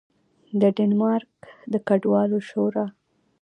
د ډنمارک د کډوالو شورا